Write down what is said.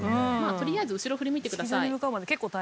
とりあえず後ろ振り向いてください。